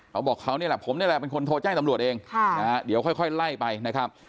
เขาบอกเขานี่แหละผมนี่แหละเป็นคนโทรแจ้งตำรวจเองเดี๋ยวค่อยไล่ไปนะครับ